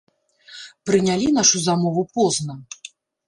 Прынялі нашу замову позна.